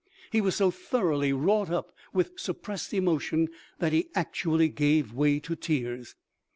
He was so thoroughly wrought up with suppressed emo tion that he actually gave way to tears.